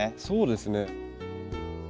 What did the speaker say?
そうですね。